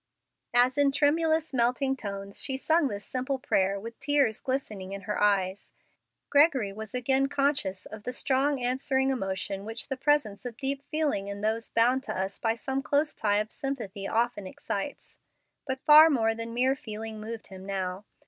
As in tremulous, melting tones she sung this simple prayer with tears glistening in her eyes, Gregory was again conscious of the strong, answering emotion which the presence of deep feeling in those bound to us by some close tie of sympathy often excites. But far more than mere feeling moved him now.